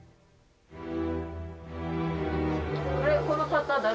この方が。